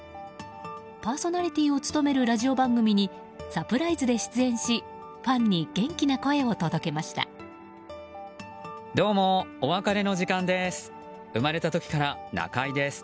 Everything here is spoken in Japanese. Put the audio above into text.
パーソナリティーを務めるラジオ番組にサプライズで出演しファンに元気な声を届けました。